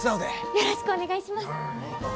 よろしくお願いします。